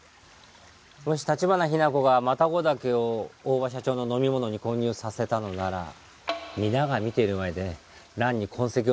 もし橘日名子がマタゴダケを大庭社長の飲み物に混入させたのなら皆が見ている前で蘭に痕跡を残すようなヘマはしない。